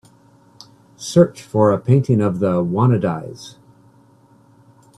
search for a painting of The Wannadies